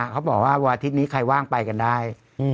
เขาบอกว่าวันอาทิตย์นี้ใครว่างไปกันได้